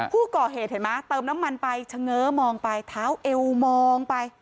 ก่อเหตุเห็นไหมเติมน้ำมันไปเฉง้อมองไปเท้าเอวมองไป